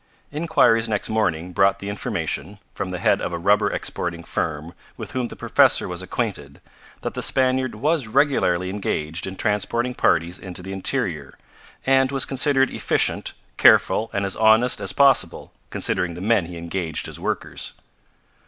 Inquiries next morning brought the information, from the head of a rubber exporting firm with whom the professor was acquainted, that the Spaniard was regularly engaged in transporting parties into the interior, and was considered efficient, careful and as honest as possible, considering the men he engaged as workers.